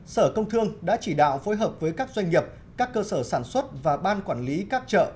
sở công thương đã chỉ đạo phối hợp với các doanh nghiệp các cơ sở sản xuất và ban quản lý các chợ